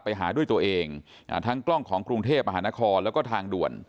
ไปหาด้วยตัวเองทั้งกล้องของกรุงเทพมหานครแล้วก็ทางด่วน